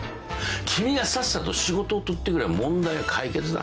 君がさっさと仕事を取ってくりゃ問題は解決だ。